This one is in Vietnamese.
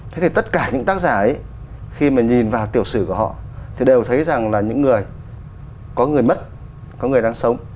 thế thì tất cả những tác giả ấy khi mà nhìn vào tiểu sử của họ thì đều thấy rằng là những người có người mất có người đang sống